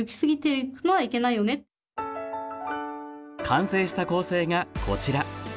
完成した構成がこちら。